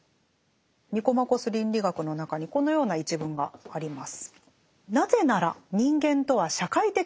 「ニコマコス倫理学」の中にこのような一文があります。